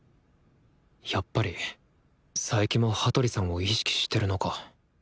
やっぱり佐伯も羽鳥さんを意識してるのか。